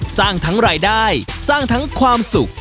สร้างทั้งรายได้สร้างทั้งความสุข